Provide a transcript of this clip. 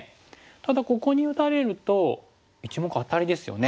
ただここに打たれると１目アタリですよね。